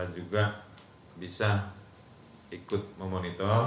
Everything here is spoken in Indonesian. juga bisa ikut memonitor